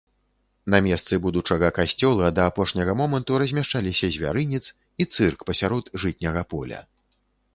На месцы будучага касцёла да апошняга моманту размяшчаліся звярынец і цырк пасярод жытняга поля.